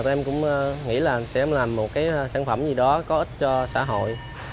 tụi em cũng nghĩ là sẽ làm một cái sản phẩm gì đó có ích cho xã hội